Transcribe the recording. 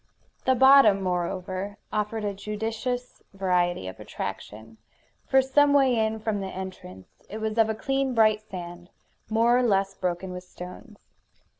The bottom, moreover, offered a judicious variety of attraction. For some way in from the entrance it was of a clean bright sand, more or less broken with stones.